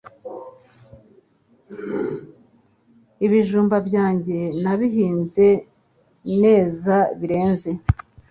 Ibijumba byanjye nabihinze nezabireze